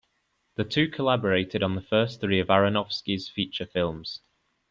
The two collaborated on the first three of Aronofsky's feature films.